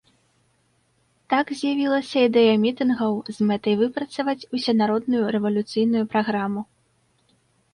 Так з'явілася ідэя мітынгаў з мэтай выпрацаваць усенародную рэвалюцыйную праграму.